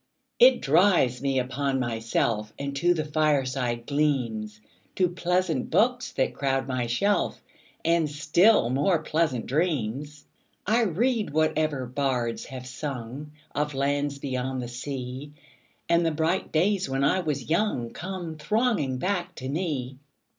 It drives me in upon myself 5 And to the fireside gleams, To pleasant books that crowd my shelf, And still more pleasant dreams. I read whatever bards have sung Of lands beyond the sea, 10 And the bright days when I was young Come thronging back to me.